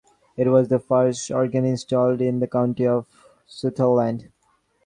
It was the first organ installed in the county of Sutherland.